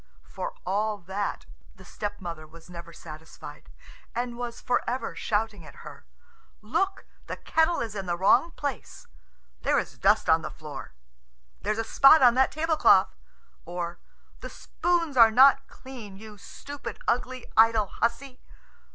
For all that the stepmother was never satisfied, and was for ever shouting at her: "Look, the kettle is in the wrong place;" "There is dust on the floor;" "There is a spot on the tablecloth;" or, "The spoons are not clean, you stupid, ugly, idle hussy."